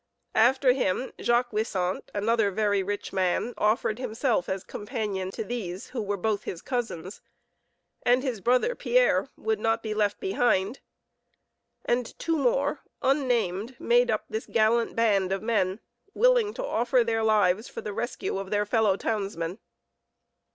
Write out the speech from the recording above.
After him, Jacques Wissant, another very rich man, offered himself as companion to these, who were both his cousins; and his brother Pierre would not be left behind: and two more, unnamed, made up this gallant band of men willing to offer their lives for the rescue of their fellow townsmen.